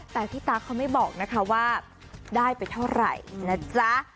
แต่พี่ตั๊กเขาไม่บอกนะคะว่าได้ไปเท่าไหร่นะจ๊ะ